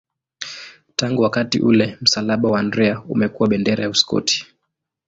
Tangu wakati ule msalaba wa Andrea umekuwa bendera ya Uskoti.